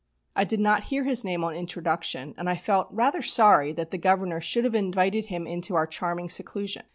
I did not hear his name on introduction, and I felt rather sorry that the Governor should have invited him into our charming seclusion.